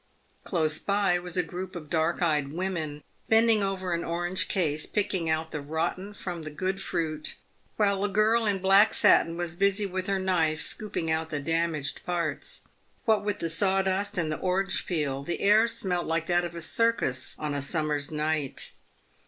Close by was a group of dark eyed women bending over an orange case, picking out the rotten from the good fruit, while a girl in black satin was busy with her knife scoop ing out the damaged parts. "What with the sawdust and the orange peel the air smelt like that of a circus on a summer's night.